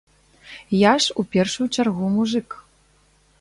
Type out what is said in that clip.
Я ж у першую чаргу мужык.